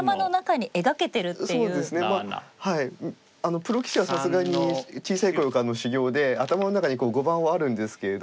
プロ棋士はさすがに小さい頃からの修業で頭の中に碁盤はあるんですけれど。